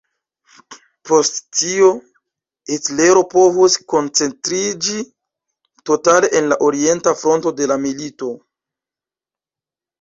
Post tio, Hitlero povus koncentriĝi totale en la Orienta Fronto de la milito.